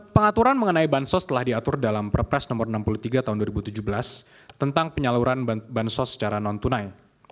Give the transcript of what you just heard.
pengaturan mengenai bansos telah diatur dalam perpres nomor enam puluh tiga tahun dua ribu tujuh belas tentang penyaluran bansos secara non tunai